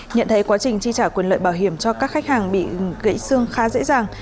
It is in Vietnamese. nhận thấy quá trình chi trả quyền lợi bảo hiểm cho các khách hàng bị gãy xương khá dễ dàng